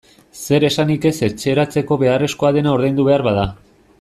Zer esanik ez etxeratzeko beharrezkoa dena ordaindu behar bada.